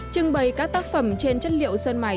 trưng bày các tác phẩm trên chất liệu sơn mài